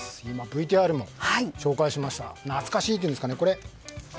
今、ＶＴＲでも紹介しました懐かしいというんですかね